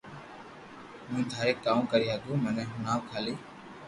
ھون ٿاري ڪاو ڪري ھگو مني ھڻاو کالي